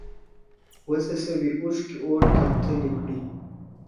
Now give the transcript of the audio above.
وڅڅوي اوښکي اور تر تلي کړي.